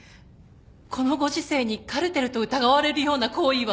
このご時世にカルテルと疑われるような行為は。